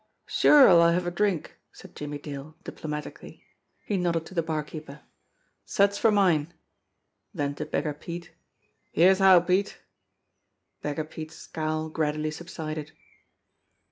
BEGGAR PETE 107 "Sure, I'll have a drink," said Jimmie Dale, diplomatically. He nodded to the barkeeper. "Suds for mine!" Then to Beggar Pete: "Here's how, Pete!" Beggar Pete's scowl gradually subsided.